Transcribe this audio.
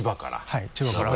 はい千葉から。